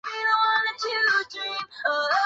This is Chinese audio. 有人认为跟美洲印第安人过度捕猎有关。